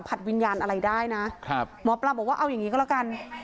คุณปุ้ยอายุ๓๒นางความร้องไห้พูดคนเดี๋ยว